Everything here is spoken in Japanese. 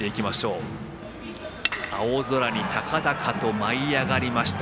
青空に高々と舞い上がりました。